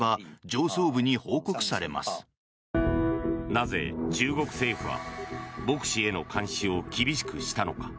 なぜ、中国政府は牧師への監視を厳しくしたのか。